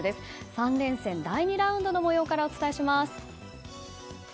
３連戦の第２ラウンドの模様からお伝えします。